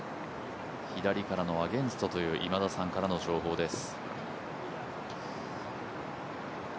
左からのアゲンストという今田さんからの情報です。